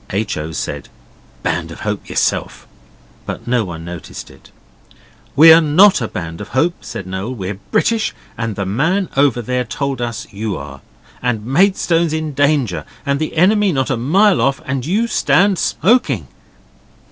H. O. said, 'Band of Hope yourself' but no one noticed it. 'We're NOT a Band of Hope,' said Noel. 'We're British, and the man over there told us you are. And Maidstone's in danger, and the enemy not a mile off, and you stand SMOKING.